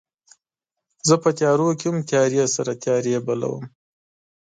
زه په تیارو کې هم تیارې سره تیارې بلوم